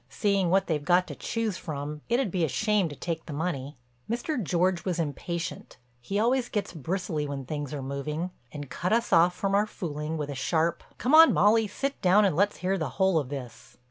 Seeing what they've got to choose from it would be a shame to take the money." Mr. George was impatient—he always gets bristly when things are moving—and cut us off from our fooling when a sharp: "Come on, Molly, sit down and let's hear the whole of this."